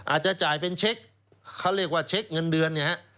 อาจจะจ่ายเป็นเช็คเขาเรียกว่าเช็คเงินเดือนเนี่ยฮะ